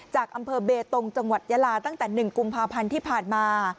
จากอำเภอเบตงจังหวัดยาลาตั้งแต่๑กุมภาพันธ์ที่ผ่านมา